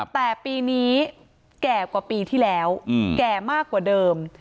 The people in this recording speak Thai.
แต่ปีนี้แก่กว่าปีที่แล้วแก่มากกว่าเดิม